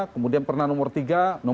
kemudian pernah nomor tiga